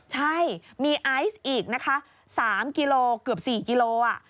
ใช่มีไอซ์อีกนะคะ๓กิโลกรัมเกือบ๔กิโลกรัม